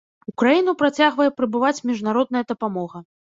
У краіну працягвае прыбываць міжнародная дапамога.